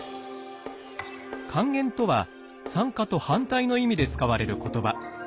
還元とは酸化と反対の意味で使われる言葉。